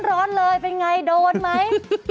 บอกเลยว่ายังไงโดนมั้ย